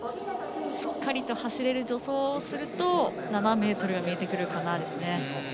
しっかりと走れる助走をすると７ｍが見えてくるかなと。